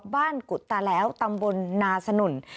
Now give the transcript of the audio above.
บ้านกุฎาแล้วตำบลนาสนุน